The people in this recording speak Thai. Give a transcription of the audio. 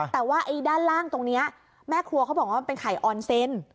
แต่ว่าไอ้ด้านล่างตรงนี้แม่ครัวเขาบอกว่ามันเป็นไข่ออนเซน